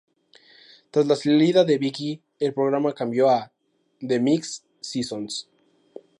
Tras la salida de Vicky el programa cambió a "The Mix Sessions".